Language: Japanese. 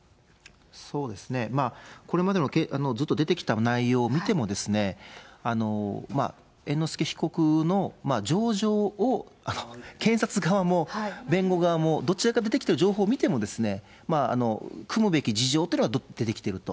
そうですね、まあこれまでのずっと出てきた内容を見ても、猿之助被告の情状を検察側も弁護側も、どちらから出てきてる情報を見ても、くむべき事情というのは出てきてると。